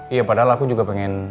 iya padahal aku juga pengen